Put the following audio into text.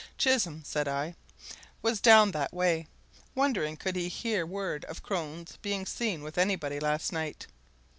"Chisholm," said I, "was down that way, wondering could he hear word of Crone's being seen with anybody last night.